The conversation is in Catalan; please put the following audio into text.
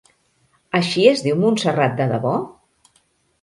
Així es diu Montserrat de debò?